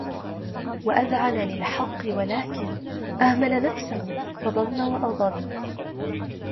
وَأَذْعَنَ لِلْحَقِّ وَلَكِنْ أَهْمَلَ نَفْسَهُ فَضَلَّ وَأَضَلَّ